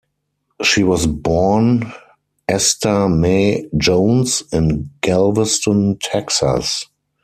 She was born Esther Mae Jones in Galveston, Texas.